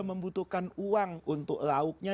membutuhkan uang untuk lauknya